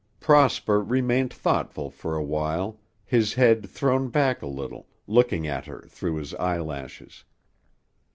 Prosper remained thoughtful for a while, his head thrown back a little, looking at her through his eyelashes.